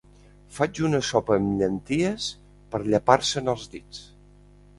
Faig una sopa amb llenties per llepar-se'n els dits.